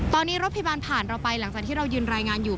ตอนนี้รถพยาบาลผ่านเราไปหลังจากที่เรายืนรายงานอยู่